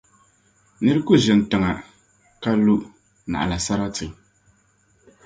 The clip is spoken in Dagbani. Nira ku ʒini tiŋa ka lu naɣla sarati.